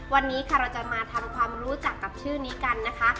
วันนี้ค่ะเราจะมาทำความรู้จักกับชื่อนี้กันนะคะ